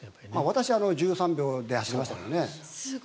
私は１３秒で走りましたけどね。